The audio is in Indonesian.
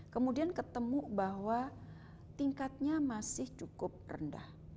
kemudian ketemu bahwa tingkatnya masih cukup rendah